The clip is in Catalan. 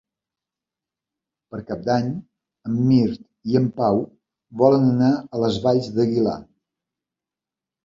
Per Cap d'Any en Mirt i en Pau volen anar a les Valls d'Aguilar.